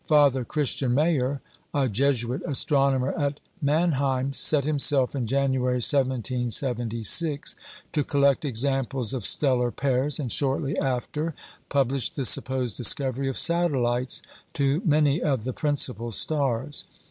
Father Christian Mayer, a Jesuit astronomer at Mannheim, set himself, in January 1776, to collect examples of stellar pairs, and shortly after published the supposed discovery of "satellites" to many of the principal stars.